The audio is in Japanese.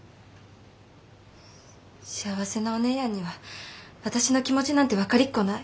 幸せなお姉やんには私の気持ちなんて分かりっこない。